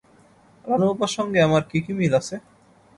রানু আপার সঙ্গে আমার কী কী মিল আছে?